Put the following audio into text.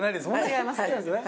違いますね。